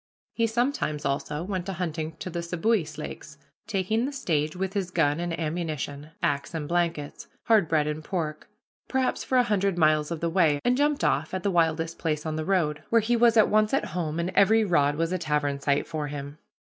He sometimes, also, went a hunting to the Seboois Lakes, taking the stage, with his gun and ammunition, axe and blankets, hard bread and pork, perhaps for a hundred miles of the way, and jumped off at the wildest place on the road, where he was at once at home, and every rod was a tavern site for him.